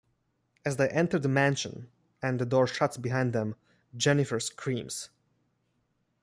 As they enter the mansion and the door shuts behind them, Jennifer screams.